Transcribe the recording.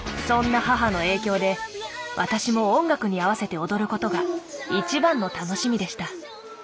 そんな母の影響で私も音楽に合わせて踊ることが一番の楽しみでした。